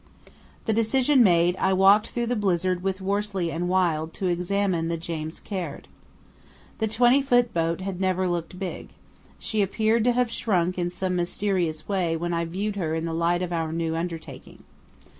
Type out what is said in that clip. The decision made, I walked through the blizzard with Worsley and Wild to examine the James Caird. The 20 ft. boat had never looked big; she appeared to have shrunk in some mysterious way when I viewed her in the light of our new undertaking.